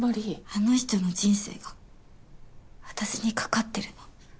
あの人の人生が私に懸かってるの。